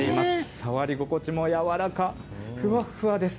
触り心地も柔らか、ふわっふわです。